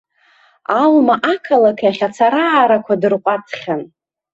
Алма ақалақь ахь ацара-аарақәа дырҟәаҵхьан.